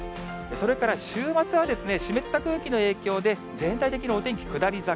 それから週末は、湿った空気の影響で、全体的にお天気下り坂。